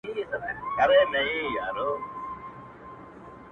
ارمانه اوس درنه ښكلا وړي څوك ـ